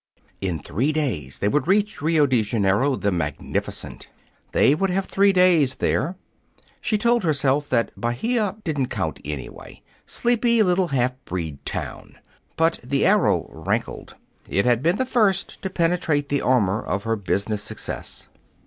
In three days they would reach Rio de Janeiro, the magnificent. They would have three days there. She told herself that Bahia didn't count, anyway sleepy little half breed town! But the arrow rankled. It had been the first to penetrate the armor of her business success.